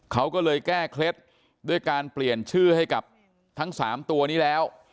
เขาก็เลยแก้เคล็ดด้วยการเปลี่ยนชื่อให้กับทั้ง๓ตัวนี้แล้ว